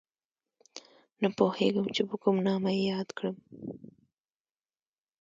نه پوهېږم چې په کوم نامه یې یاد کړم